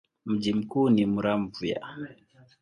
Mji mkuu ni Muramvya.